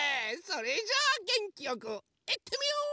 それじゃあげんきよくいってみよう！